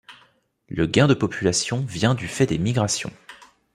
Le gain de population vient du fait des migrations.